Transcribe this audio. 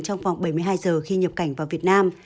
trong vòng bảy mươi hai giờ khi nhập cảnh vào việt nam